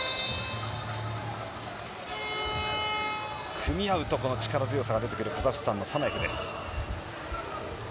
組み合うと力強さがあるカザフスタンのサナエフです。